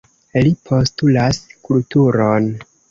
Li postulas kulturon.